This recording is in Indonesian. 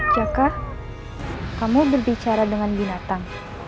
jaka kamu berbicara dengan binatang